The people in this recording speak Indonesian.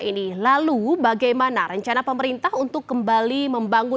ini lalu bagaimana rencana pemerintah untuk kembali kembali ke kabupaten agam sumatera barat